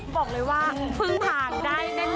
บอกเลยว่าเพิ่งผ่านได้แน่